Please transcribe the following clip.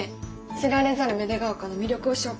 知られざる芽出ヶ丘の魅力を紹介。